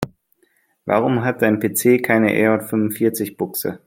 Warum hat dein PC keine RJ-fünfundvierzig-Buchse?